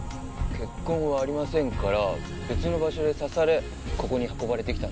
血痕はありませんから別の場所で刺されここに運ばれてきたんですね。